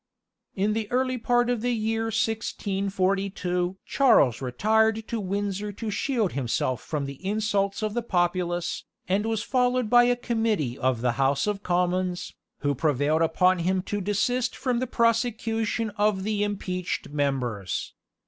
In the early part of the year 1642 Charles retired to Windsor to shield himself from the insults of the populace, and was followed by a committee of the House of Commons, who prevailed upon him to desist from the prosecution of the impeached members.